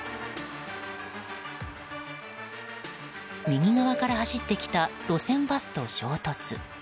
右側から走ってきた路線バスと衝突。